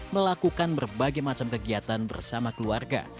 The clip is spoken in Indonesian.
melakukan berbagai macam kegiatan bersama keluarga